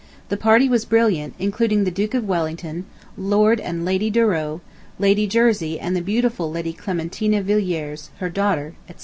The party was brilliant, including the Duke of Wellington, Lord and Lady Douro, Lady Jersey and the beautiful Lady Clementina Villiers, her daughter, etc.